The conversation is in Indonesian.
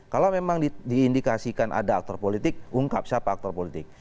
kalau memang diindikasikan ada aktor politik ungkap siapa aktor politik